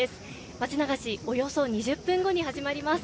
町流しおよそ２０分後に始まります。